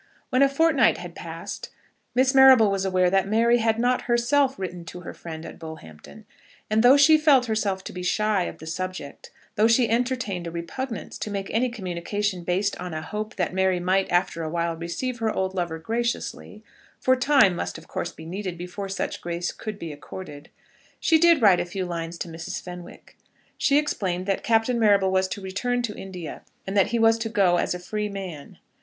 When a fortnight had passed, Miss Marrable was aware that Mary had not herself written to her friend at Bullhampton; and though she felt herself to be shy of the subject, though she entertained a repugnance to make any communication based on a hope that Mary might after a while receive her old lover graciously, for time must of course be needed before such grace could be accorded, she did write a few lines to Mrs. Fenwick. She explained that Captain Marrable was to return to India, and that he was to go as a free man.